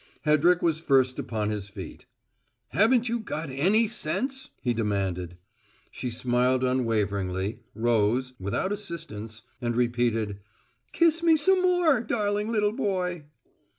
Hedrick was first upon his feet. "Haven't you got any sense?" he demanded. She smiled unwaveringly, rose (without assistance) and repeated: "Kiss me some more, darling little boy!"